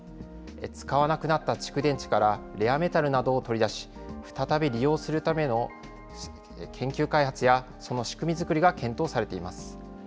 使わなくなった蓄電池からレアメタルなどを取り出し、再び利用するための研究開発やその仕組み作りが検討されています。